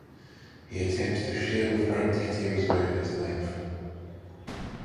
He attempts to share with her details about his life.